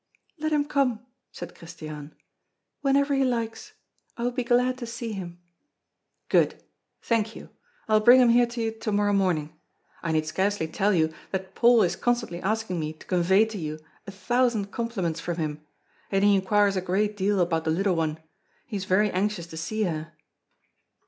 "Let him come," said Christiane, "whenever he likes. I will be glad to see him." "Good. Thank you. I'll bring him here to you tomorrow morning. I need scarcely tell you that Paul is constantly asking me to convey to you a thousand compliments from him, and he inquires a great deal about the little one. He is very anxious to see her."